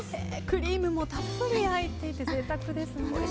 クリームたっぷり入っていて贅沢ですね。